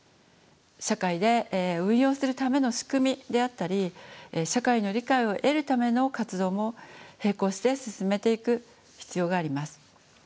社会で運用するための仕組みであったり社会の理解を得るための活動も並行して進めていく必要があります。